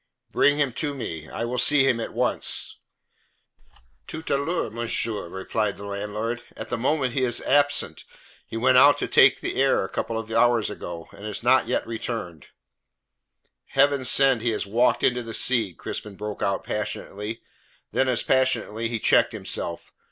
"Bring him to me. I will see him at once." "Tout a l'heure, monsieur," replied the landlord. "At the moment he is absent. He went out to take the air a couple of hours ago, and is not yet returned." "Heaven send he has walked into the sea!" Crispin broke out passionately. Then as passionately he checked himself.